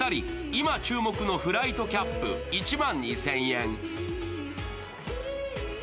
今注目のフライトキャップ１万２０００円。